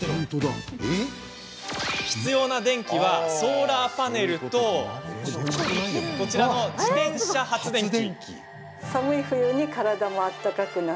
必要な電気はソーラーパネルとこちらの自転車発電機。